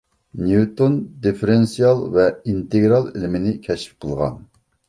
نيۇتون دىففېرېنسىئال ۋە ئىنتېگرال ئىلمىنى كەشىپ قىلغان